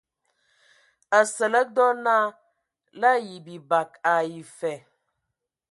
Asǝlǝg dɔ naa la ayi bibag ai fa.